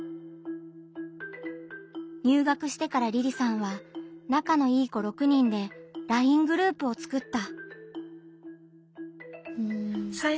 入学してからりりさんは仲のいい子６人でＬＩＮＥグループを作った。